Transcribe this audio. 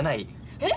えっ？